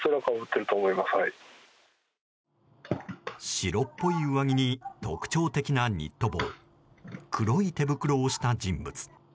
白っぽい上着に特徴的なニット帽黒い手袋をした人物。